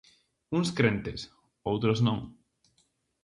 Uns crentes, outros no.